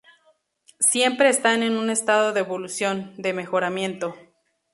Siempre están en un estado de evolución, de mejoramiento.